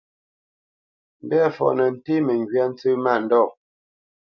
Mbɛ̂fɔ nə́ ntéé məŋgywá ntsə́ mándɔ̂.